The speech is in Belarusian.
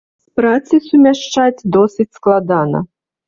З працай сумяшчаць досыць складана.